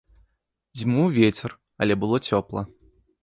Дзьмуў вецер, але было цёпла.